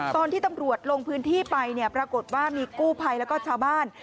ตอนที่ตำรวจลงพื้นที่ไปเนี่ยปรากฏว่ามีกู้ภัยแล้วก็ชาวบ้าน